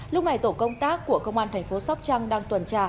lúc này tổ công tác của công an thành phố sóc trăng đang tuần tra